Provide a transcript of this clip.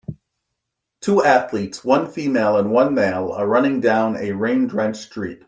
Two athletes, one female and one male are running down a rain drenched street.